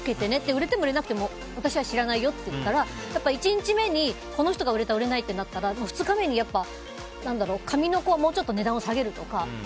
売れても売れなくても私は知らないよって言ったら１日目に、この人が売れた、売れないってなったら２日目に、紙の子はもうちょっと値段を下げるとか。